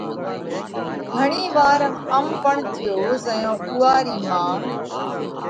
گھڻِي وار ام پڻ ٿيو زئيون اُوئا رِي مان،